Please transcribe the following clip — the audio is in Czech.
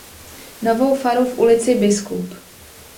Novou faru v ulici Biskup.